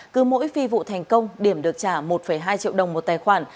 cứ mỗi phi vụ thành công điểm được trả một hai triệu đồng một tài khoản